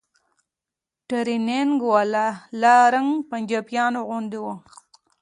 ټرېننگ والا له رنګه پنجابيانو غوندې و.